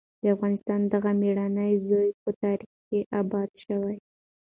د افغانستان دغه مېړنی زوی په تاریخ کې ابدي شو.